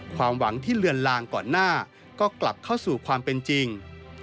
ความหวังที่เลือนลางก่อนหน้าก็กลับเข้าสู่ความเป็นจริง